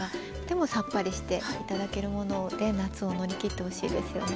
でもさっぱりして頂けるもので夏を乗り切ってほしいですよね。